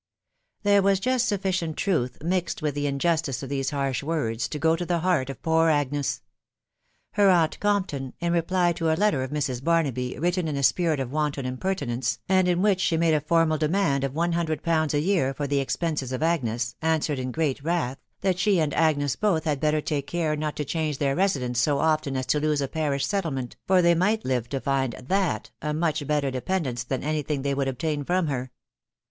There was just sufficient truth mixed with the injustice 4 these harsh words to go to the heart of poor Agnes. Her ant Compton, in reply to a letter of Mrs. Barnaby, written is t spirit of wanton impertinence, and in whissl she made a formal demand of one hundred pounds a year for the expense! of Agnes, answered in great wraih, that she and Agnes both had better take care not to change their residence bo often at to lose a parish settlement, for they might live to find Ada much better dependence than any thing they would obtain from her.